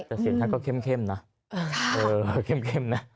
แต่สีหน้าก็เข้มนะเออเข้มนะ